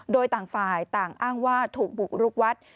โดยต่างฝ่ายต่างอ้างว่าถูกบุกรุกวัด